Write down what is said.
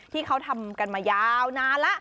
ที่เขาทำกันมายาวนานแล้ว